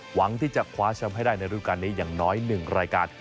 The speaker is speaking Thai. หวังที่จะคว้าแชมป์ให้ได้ในรูปการณ์นี้อย่างน้อย๑รายการ